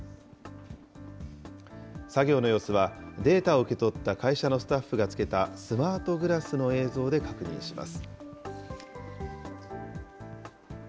作業の様子は、データを受け取った会社のスタッフが着けたスマートグラスの映像で確認します。